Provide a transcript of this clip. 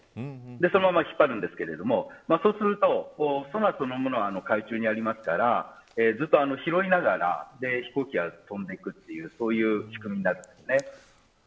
そのまま引っ張るんですけれどもそうするとソナーそのものは海中にありますからずっと拾いながら飛行機は飛んでいくというそういう仕組みになるんですね。